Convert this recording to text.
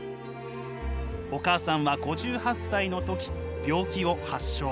お母さんは５８歳の時病気を発症。